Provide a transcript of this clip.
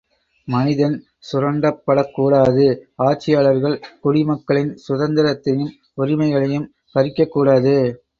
மனிதன் சுரண்டப்படக் கூடாது ஆட்சியாளர்கள் குடிமக்களின் சுதந்திரத்தையும் உரிமைகளையும் பறிக்கக்கூடாது.